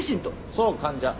そう患者。